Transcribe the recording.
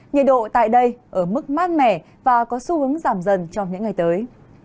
nhiệt độ tại đây ở mức mát mẻ và có xu hướng giảm dần trong những ngày tới